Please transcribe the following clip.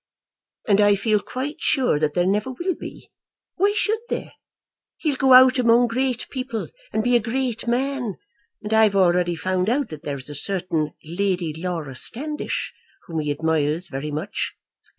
"And I feel quite sure that there never will be. Why should there? He'll go out among great people and be a great man; and I've already found out that there's a certain Lady Laura Standish whom he admires very much."